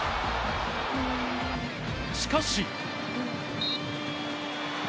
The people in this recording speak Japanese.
しかし。